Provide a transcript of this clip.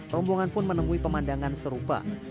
rombongan pun menemui pemandangan serupa